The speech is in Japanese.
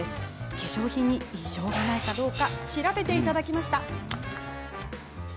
化粧品に、異常がないか調べていただきました。